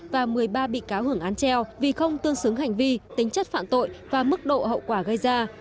và một mươi ba bị cáo hưởng án treo vì không tương xứng hành vi tính chất phạm tội và mức độ hậu quả gây ra